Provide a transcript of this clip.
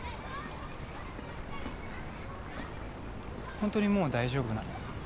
本当にもう大丈夫なの？